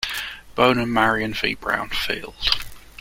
Bone and Marion V. Brownfield.